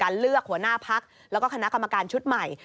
เลือกหัวหน้าพักแล้วก็คณะกรรมการชุดใหม่